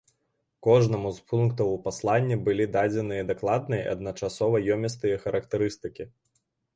Кожнаму з пунктаў у пасланні былі дадзеныя дакладныя і адначасова ёмістыя характарыстыкі.